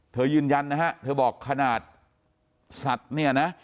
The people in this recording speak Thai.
ยืนยันนะฮะเธอบอกขนาดสัตว์เนี่ยนะ